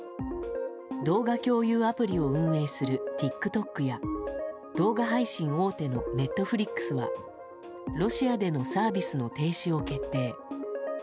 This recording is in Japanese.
動画共有アプリを運営するＴｉｋＴｏｋや動画配信大手のＮｅｔｆｌｉｘはロシアでのサービスの停止を決定。